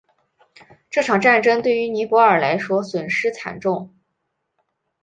这场战争对于尼泊尔来说损失惨重。